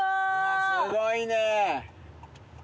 すごいね。